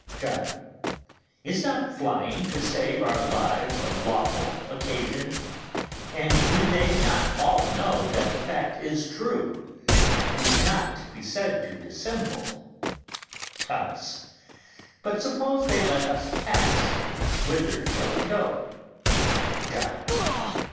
John. Is not flying to save our lives a lawful occasion? And do they not all know that the fact is true? We cannot be said to dissemble. Thomas. But suppose they let us pass, whither shall we go? John.